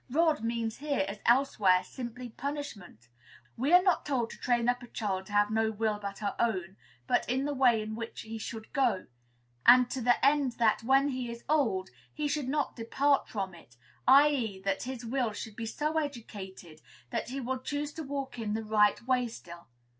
"Rod" means here, as elsewhere, simply punishment. We are not told to "train up a child" to have no will but our own, but "in the way in which he should go," and to the end that "when he is old" he should not "depart from it," i.e., that his will should be so educated that he will choose to walk in the right way still.